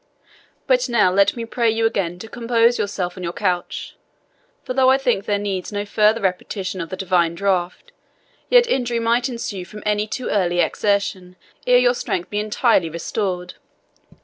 But now let me pray you again to compose yourself on your couch; for though I think there needs no further repetition of the divine draught, yet injury might ensue from any too early exertion ere your strength be entirely restored."